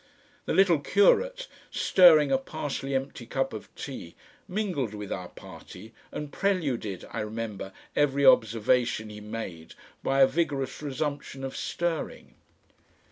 The little curate, stirring a partially empty cup of tea, mingled with our party, and preluded, I remember, every observation he made by a vigorous resumption of stirring.